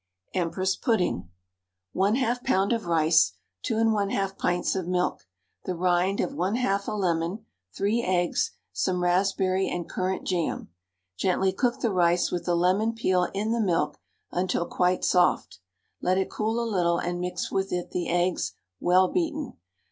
EMPRESS PUDDING. 1/2 lb. of rice, 2 1/2 pints of milk, the rind of 1/2 a lemon, 3 eggs, some raspberry and currant jam. Gently cook the rice with the lemon peel in the milk, until quite soft; let it cool a little and mix with it the eggs, well beaten.